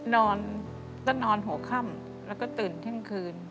นอนต้องนอนหัวค่ำแล้วก็ตื่นเที่ยงคืน